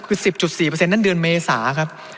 คือ๑๐๔นั้นเดือนเมษาครับ